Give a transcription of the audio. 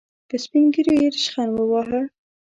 په سپين ږيرو يې ريشخند وواهه.